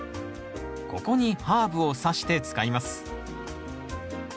ここにハーブをさして使います。